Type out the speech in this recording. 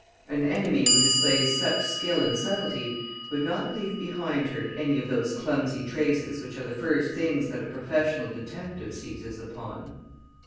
An enemy who displays such skill and subtlety would not leave behind her any of those clumsy traces which are the first things that a professional detective seizes upon."